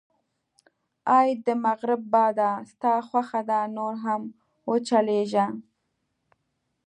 اې د مغرب باده، ستا خوښه ده، نور هم و چلېږه.